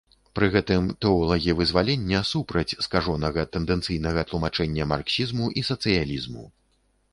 Пры гэтым тэолагі вызвалення супраць скажонага тэндэнцыйнага тлумачэння марксізму і сацыялізму.